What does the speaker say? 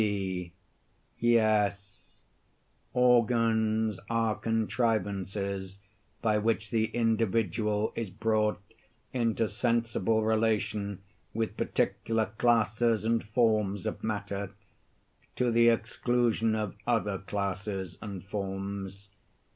V. Yes; organs are contrivances by which the individual is brought into sensible relation with particular classes and forms of matter, to the exclusion of other classes and forms.